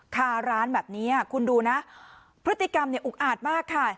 คาร้านแบบนี้คุณดูนะพฤติกรรมเนี่ยอุกอาจมากค่ะ